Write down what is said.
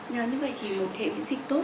như vậy thì một hệ miễn dịch tốt